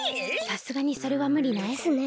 さすがにそれはむりね。ですね。